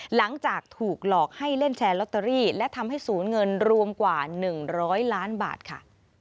หลังจากถูกหลอกให้เล่นแชร์ลอตเตอรี่และทำให้ศูนย์เงินรวมกว่า๑๐๐ล้านบาทค่ะ